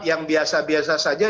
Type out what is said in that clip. yang biasa biasa saja